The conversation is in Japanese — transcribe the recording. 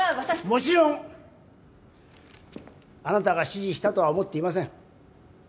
もちろんあなたが指示したとは思っていません